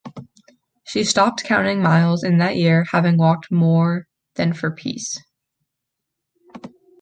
She stopped counting miles in that year, having walked more than for peace.